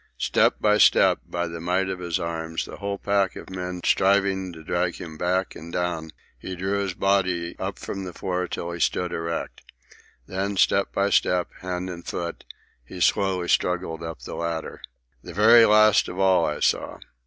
Step by step, by the might of his arms, the whole pack of men striving to drag him back and down, he drew his body up from the floor till he stood erect. And then, step by step, hand and foot, he slowly struggled up the ladder. The very last of all, I saw.